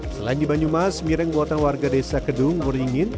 selain di banyumas miring buatan warga desa kedung muringin